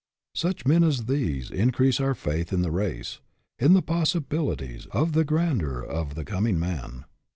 Such men as these increase our faith in the race ; in the possibilities of the grandeur of the coming man.